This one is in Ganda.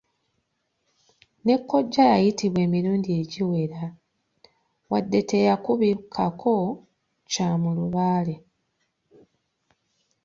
Ne kkojja yayitibwa emirundi egiwera, wadde teyakubikako kya mulubaale.